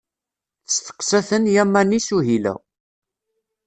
Testeqsa-ten Yamani Suhila.